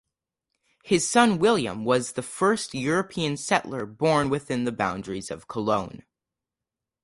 His son William was the first European settler born within the boundaries of Cologne.